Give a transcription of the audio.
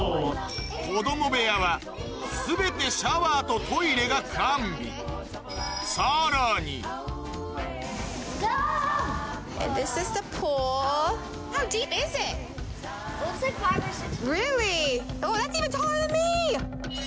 子供部屋は全てシャワーとトイレが完備もありまして。